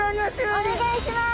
おねがいします。